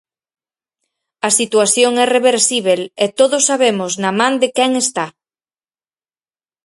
A situación é reversíbel e todos sabemos na man de quen está.